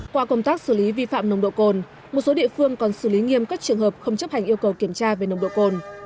qua công tác xử lý vi phạm nồng độ cồn một số địa phương còn xử lý nghiêm các trường hợp không chấp hành yêu cầu kiểm tra về nồng độ cồn